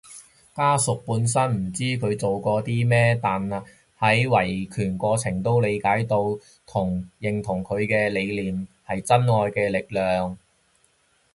家屬本身唔知佢做過啲咩，但喺維權過程都理解到同認同佢嘅理念，係真愛嘅力量